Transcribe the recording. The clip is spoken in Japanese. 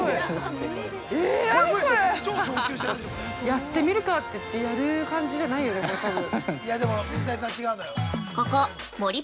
やってみるかって言ってやる感じじゃないよね、これ。